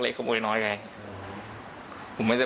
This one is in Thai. อยากอยู่ข้างในผมเบื่อ